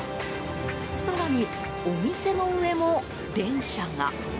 更に、お店の上も電車が。